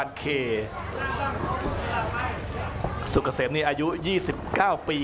ยังเหลือคู่มวยในรายการ